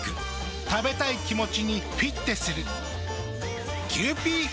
食べたい気持ちにフィッテする。